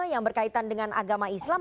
yang berkaitan dengan agama islam